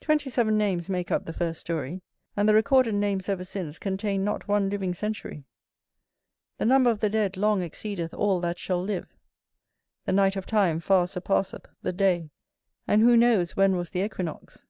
Twenty seven names make up the first story and the recorded names ever since contain not one living century. The number of the dead long exceedeth all that shall live. The night of time far surpasseth the day, and who knows when was the equinox?